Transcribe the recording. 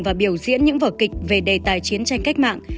và biểu diễn những vở kịch về đề tài chiến tranh cách mạng